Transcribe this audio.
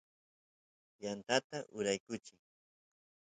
yantata uraykuchiy